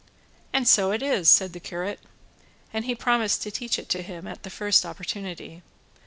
"And so it is," said the curate, and he promised to teach it to him on the first opportunity.